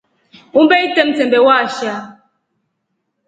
Umbe itre msembe waasha.